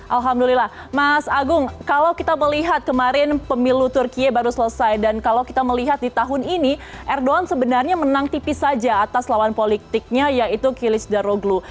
alhamdulillah mas agung kalau kita melihat kemarin pemilu turkiye baru selesai dan kalau kita melihat di tahun ini erdogan sebenarnya menang tipis saja atas lawan politiknya yaitu kilis daroglu